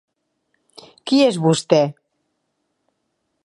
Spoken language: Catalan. -Qui és vosté?